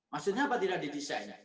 maksudnya apa tidak didesain